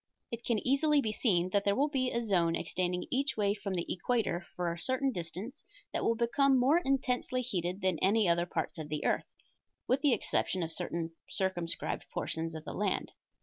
It can easily be seen that there will be a zone extending each way from the equator for a certain distance that will become more intensely heated than any other parts of the earth, with the exception of certain circumscribed portions of the land.